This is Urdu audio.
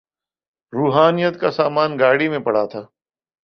روحانیت کا سامان گاڑی میں پڑا تھا۔